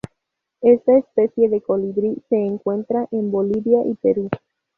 Esta especie de colibrí, se encuentra en Bolivia y Perú.